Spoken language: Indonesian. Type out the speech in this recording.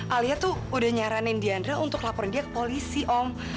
alia tuh udah nyaranin diandra untuk laporin dia ke polisi om